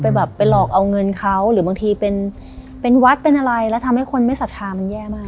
แบบไปหลอกเอาเงินเขาหรือบางทีเป็นเป็นวัดเป็นอะไรแล้วทำให้คนไม่ศรัทธามันแย่มาก